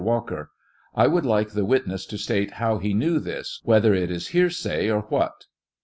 Walker : I would like the witness to state how he knew this ; whether it^is hearsay or what?